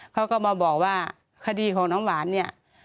เขาก็มาบอกว่าคดีของน้องหวานเนี่ย